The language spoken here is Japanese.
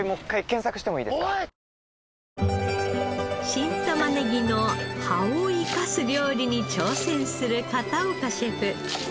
新玉ねぎの葉を生かす料理に挑戦する片岡シェフ。